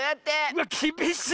うわっきびしっ！